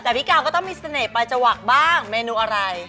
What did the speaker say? แต่พี่กาวก็ต้องมีเสน่หมาจวักบ้างเมนูอะไร